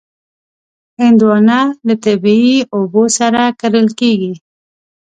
هندوانه له طبعي اوبو سره کرل کېږي.